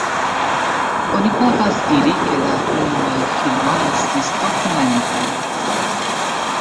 Oni povas diri ke la unuaj filmoj estis dokumentaj.